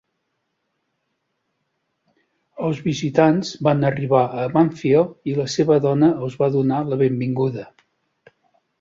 Els visitants van arribar i Banfield i la seva dona els van donar la benvinguda.